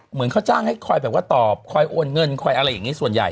เหมือนเขาจ้างให้คอยแบบว่าตอบคอยโอนเงินคอยอะไรอย่างนี้ส่วนใหญ่